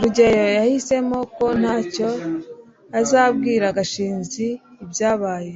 rugeyo yahisemo ko ntacyo azabwira gashinzi ibyabaye